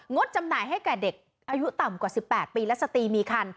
จำหน่ายให้แก่เด็กอายุต่ำกว่า๑๘ปีและสตรีมีคัน